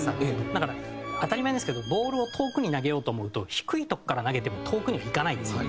だから当たり前ですけどボールを遠くに投げようと思うと低いとこから投げても遠くにはいかないんですよ。